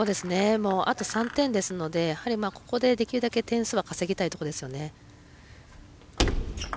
あと３点ですのでやはり、ここでできるだけ点数は稼ぎたいところですよね。